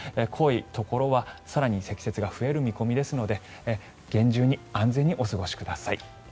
濃いところは更に積雪が増える見込みですので厳重に安全にお過ごしください。